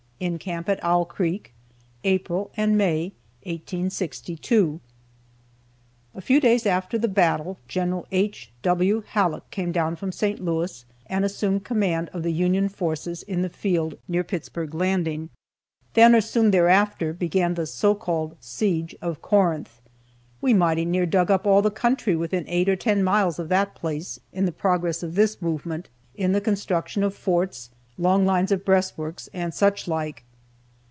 IN CAMP AT OWL CREEK. APRIL AND MAY, 1862. A few days after the battle Gen. H. W. Halleck came down from St. Louis, and assumed command of the Union forces in the field near Pittsburg Landing. Then, or soon thereafter, began the so called siege of Corinth. We mighty near dug up all the country within eight or ten miles of that place in the progress of this movement, in the construction of forts, long lines of breast works, and such like.